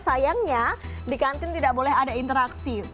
sayangnya di kantin tidak boleh ada interaksi